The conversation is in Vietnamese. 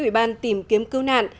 ủy ban tìm kiếm cứu nạn